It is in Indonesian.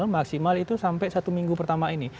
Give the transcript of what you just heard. maksimal itu sampai satu minggu pertama ini